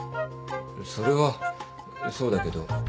それはそうだけど。